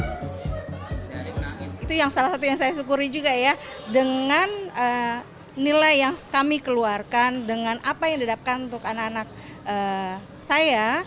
itu yang salah satu yang saya syukuri juga ya dengan nilai yang kami keluarkan dengan apa yang didapatkan untuk anak anak saya